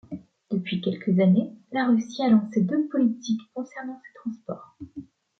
Depuis quelques années, la Russie a lancé deux politiques concernant ses transports.